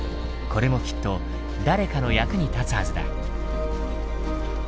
これもきっと誰かの役に立つはずだ。